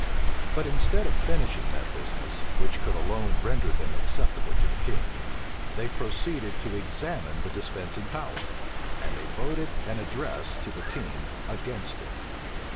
But instead of finishing that business, which could alone render them acceptable to the king, they proceeded to examine the dispensing power; and they voted an address to the king against it.